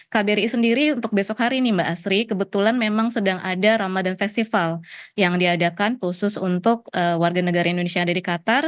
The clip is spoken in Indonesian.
kbri sendiri untuk besok hari ini mbak asri kebetulan memang sedang ada ramadan festival yang diadakan khusus untuk warga negara indonesia yang ada di qatar